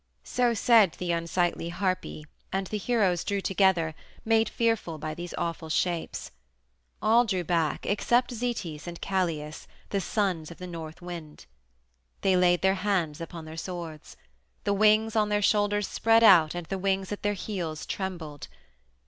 So said the unsightly Harpy, and the heroes drew together, made fearful by these awful shapes. All drew back except Zetes and Calais, the sons of the North Wind. They laid their hands upon their swords. The wings on their shoulders spread out and the wings at their heels trembled.